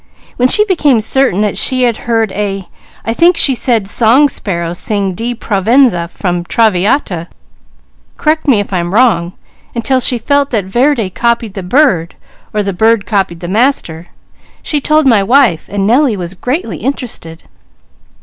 "When she became certain that she had heard a I think she said Song Sparrow, sing Di Provenza from Traviata correct me if I am wrong until she felt that Verdi copied the bird or the bird copied the master, she told my wife, and Nellie was greatly interested."